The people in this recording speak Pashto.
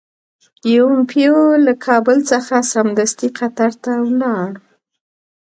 پومپیو له کابل څخه سمدستي قطر ته ولاړ.